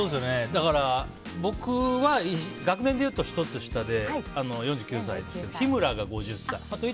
だから、僕は学年でいうと１つ下で４９歳なんですけど日村が５０歳。